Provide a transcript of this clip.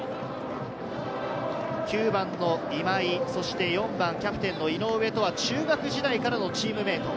９番の今井、そして４番・キャプテンの井上とは中学時代からのチームメイト。